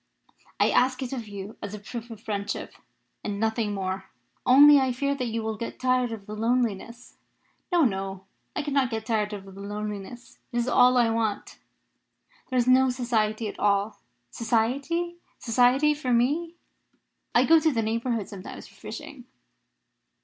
I ask it of you as a proof of friendship, and nothing more. Only, I fear that you will get tired of the loneliness." "No no," she said. "I cannot get tired of loneliness it is all I want." "There is no society at all." "Society? Society for me?" "I go to the neighbourhood sometimes for fishing.